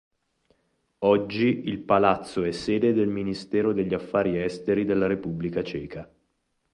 Oggi il palazzo è sede del Ministero degli Affari Esteri della Repubblica Ceca.